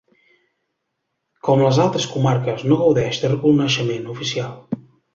Com les altres comarques, no gaudeix de reconeixement oficial.